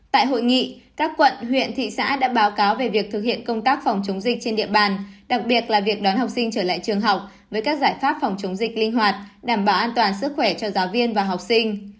tại hội nghị các quận huyện thị xã đã báo cáo về việc thực hiện công tác phòng chống dịch trên địa bàn đặc biệt là việc đón học sinh trở lại trường học với các giải pháp phòng chống dịch linh hoạt đảm bảo an toàn sức khỏe cho giáo viên và học sinh